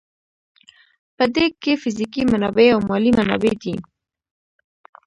په دې کې فزیکي منابع او مالي منابع دي.